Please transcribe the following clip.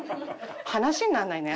話になんないね。